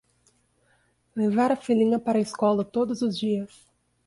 Levar a filhinha para a escola todos os dias